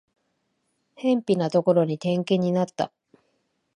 辺ぴなところに転勤になった